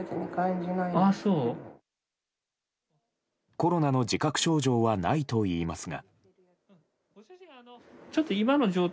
コロナの自覚症状はないといいますが。